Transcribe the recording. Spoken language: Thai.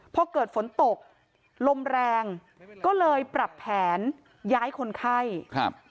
พอเกิดฝนตกลมแรงก็เลยปรับแผนย้ายคนไข้ครับ